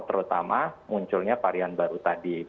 terutama munculnya varian baru tadi